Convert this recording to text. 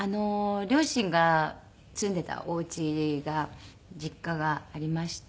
両親が住んでいたお家が実家がありまして。